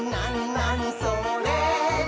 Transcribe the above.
なにそれ？」